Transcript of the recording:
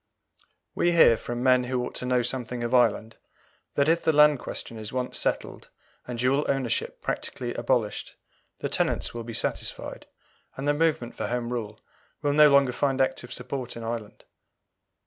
We hear, from men who ought to know something of Ireland, that if the Land question is once settled, and dual ownership practically abolished, the tenants will be satisfied, and the movement for Home Rule will no longer find active support in Ireland.